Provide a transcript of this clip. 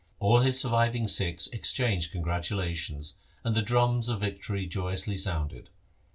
All his surviving Sikhs exchanged congratulations, and the drums of vic tory joyously sounded.